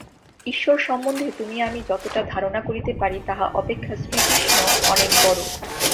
ঈশ্বর সম্বন্ধে তুমি আমি যতটা ধারণা করিতে পারি, তাহা অপেক্ষা শ্রীকৃষ্ণ অনেক বড়।